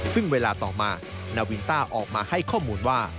ซึ่งเวลาต่อมานาวินต้าออกมาให้ข้อมูลว่า